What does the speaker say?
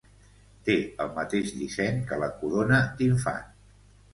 Té el mateix disseny que la corona d'infant.